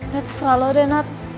nat sereh lo deh nat